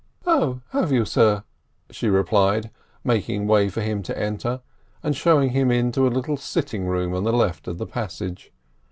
"Oh, have you, sir?" she replied, making way for him to enter, and showing him into a little sitting room on the left of the passage.